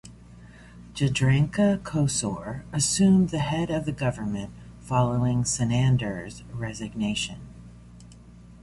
Jadranka Kosor assumed the head of the government following Sanader's resignation.